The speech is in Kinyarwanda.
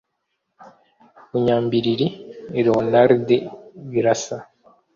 Bunyambiriri Leonardi Birasa